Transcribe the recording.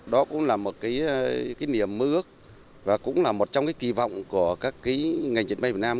đó cũng là một niềm mơ ước và cũng là một trong kỳ vọng của các ngành diệt mây việt nam